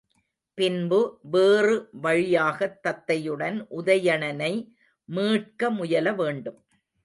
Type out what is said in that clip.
பின்பு வேறு வழியாகத் தத்தையுடன் உதயணனை மீட்க முயல வேண்டும்.